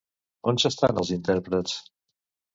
On s'estan els intèrprets?